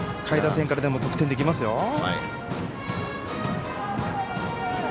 下位打線からでも得点できますよ。